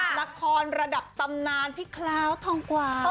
หนักคลอนระดับตำนานพี่คราวทองกวาว